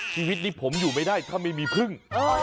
ชีวิตนี้ผมอยู่ไม่ได้ถ้าไม่มีพึ่ง